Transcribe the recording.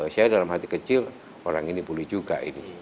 saya dalam hati kecil orang ini boleh juga ini